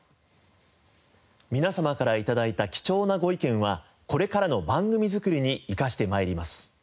皆様から頂いた貴重なご意見はこれからの番組作りに生かして参ります。